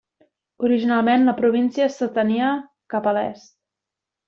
Originalment la província s'estenia cap a l'est.